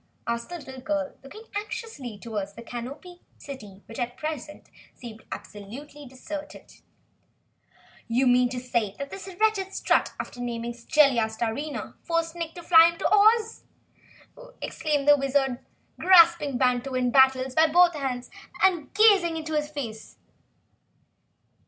asked the little girl, looking anxiously toward the Canopied City which, at present, seemed absolutely deserted. "You say that this wretched Strut, after naming Jellia Starina, forced Nick to fly him to Oz?" exclaimed the Wizard, grasping Wantowin Battles by both arms and gazing into his face.